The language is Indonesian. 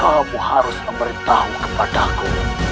kamu harus memberitahu kepadaku